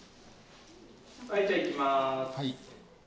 はいじゃあいきます。